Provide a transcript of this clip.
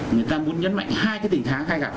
người ta muốn nhấn mạnh hai cái tình tháng hay gặp